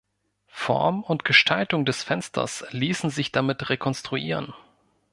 Form und Gestaltung des Fensters ließen sich damit rekonstruieren.